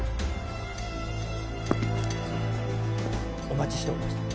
お待ちしておりました。